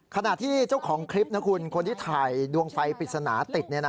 ขณะที่เจ้าของคลิปนะคุณคนที่ถ่ายดวงไฟปริศนาติด